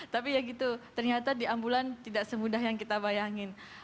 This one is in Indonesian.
tapi ya gitu ternyata di ambulan tidak semudah yang kita bayangin